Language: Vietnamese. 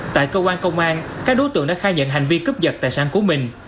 tại cơ quan công an các đối tượng đã khai nhận hành vi cướp dật tài sản của mình